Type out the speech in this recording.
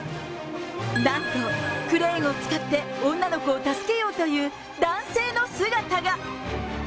なんとクレーンを使って女の子を助けようという男性の姿が。